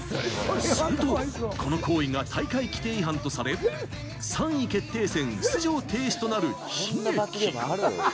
すると、この行為が大会規定違反とされ、３位決定戦出場停止となる悲劇。